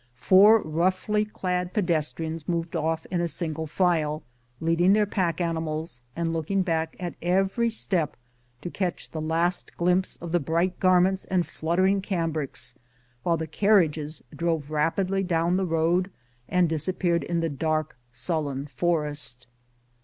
Four roughly clad pedestrians moved off in single file, leading their pack animals, and looking back at every step to catch the last glimpse of the bright garments and fluttering cambrics, while the carriages drove rap idly down the road and disappeared in the dark, sullen forest.